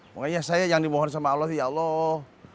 makanya saya yang dimohon sama allah ya allah